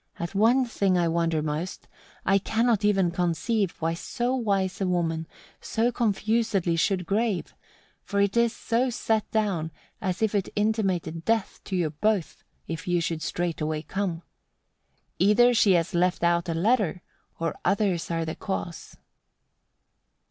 At one thing I wonder most, I cannot even conceive, why so wise a woman so confusedly should grave; for it is so set down as if it intimated death to you both, if you should straightway come. Either she has left out a letter, or others are the cause."